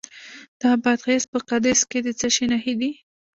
د بادغیس په قادس کې د څه شي نښې دي؟